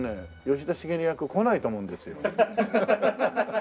吉田茂の役こないと思うんですよ。